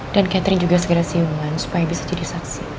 dan catherine juga segera siungan supaya bisa jadi saksi